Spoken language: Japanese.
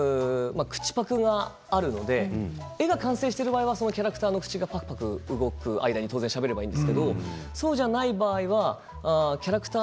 口パクがあるので絵が完成している場合はキャラクターの絵がかくかく動くのでその間に入れればいいですけれどもそうじゃない場合はキャラクター